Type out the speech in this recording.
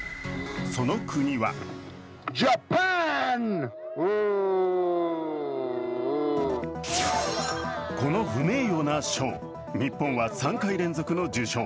その国はこの不名誉な賞、日本は３回連続の受賞。